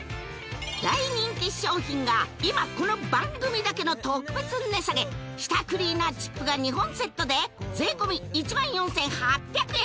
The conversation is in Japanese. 大人気商品が今この番組だけの特別値下げ舌クリーナーチップが２本セットで税込１４８００円